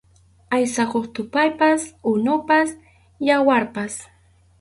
Aysakuq thuqaypas, unupas, yawarpas.